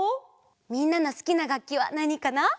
みんなのすきながっきはなにかな？